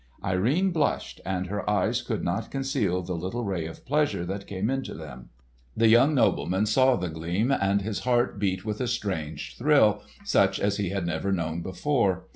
Irene blushed and her eyes could not conceal the little ray of pleasure that came into them. The young nobleman saw the gleam and his heart beat with a strange thrill, such as he had never known before.